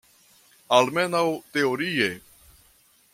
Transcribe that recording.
Almenaŭ teorie.